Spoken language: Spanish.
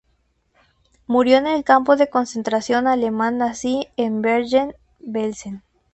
Murió en el campo de concentración alemán nazi de Bergen-Belsen.